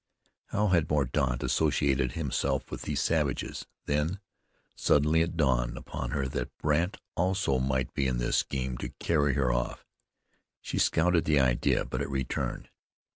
How had Mordaunt associated himself with these savages? Then, suddenly, it dawned upon her that Brandt also might be in this scheme to carry her off. She scouted the idea; but it returned.